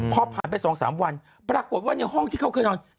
พอผ่านไป๒๓วันปรากฏว่าในห้องที่เขาเคยนอน